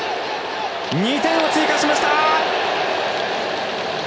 ２点追加しました！